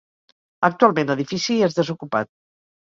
Actualment l'edifici és desocupat.